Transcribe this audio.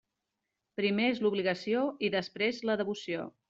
Primer és l'obligació i després la devoció.